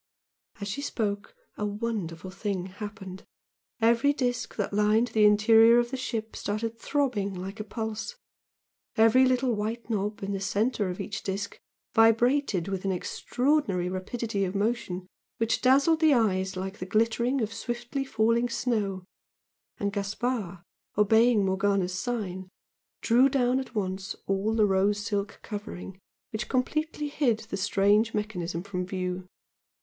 As she spoke, a wonderful thing happened every disc that lined the interior of the ship started throbbing like a pulse, every little white knob in the centre of each disc vibrated with an extraordinary rapidity of motion which dazzled the eyes like the glittering of swiftly falling snow, and Gaspard, obeying Morgana's sign, drew down at once all the rose silk covering which completely hid the strange mechanism from view.